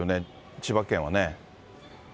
千葉県はね。